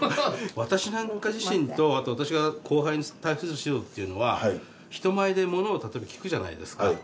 私なんか自身とあと私が後輩に対する指導っていうのは人前でものを例えば聞くじゃないですか？